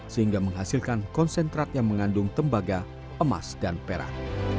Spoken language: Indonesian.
sehingga menghasilkan konsentrat yang mengandung tembaga emas dan perak